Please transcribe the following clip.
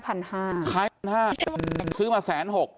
ขายไป๑๕๐๐ซื้อมา๑๖๐ค่ะ